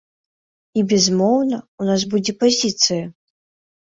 І, безумоўна, у нас будзе пазіцыя.